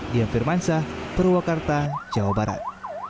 dian firmansyah purwakarta jawa barat